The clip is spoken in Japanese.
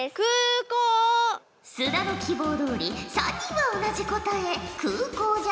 須田の希望どおり３人は同じ答え「くうこう」じゃな。